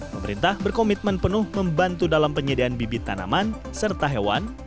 pemerintah berkomitmen penuh membantu dalam penyediaan bibit tanaman serta hewan